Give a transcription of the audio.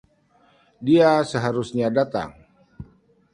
Dia seharusnya datang.